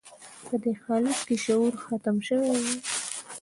په دې حالت کې شعور ختم شوی و